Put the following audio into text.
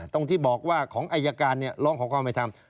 ตรงที่บอกว่าของอายการร้องขอความเป็นธรรม